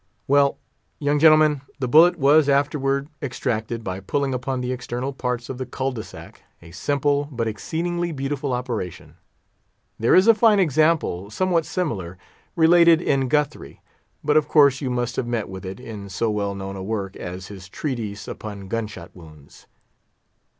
Well, young gentlemen, the bullet was afterward extracted by pulling upon the external parts of the cul de sac—a simple, but exceedingly beautiful operation. There is a fine example, somewhat similar, related in Guthrie; but, of course, you must have met with it, in so well known a work as his Treatise upon Gun shot Wounds.